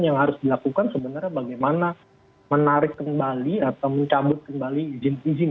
yang harus dilakukan sebenarnya bagaimana menarik kembali atau mencabut kembali izin izin